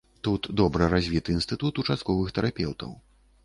Тут добра развіты інстытут участковых тэрапеўтаў.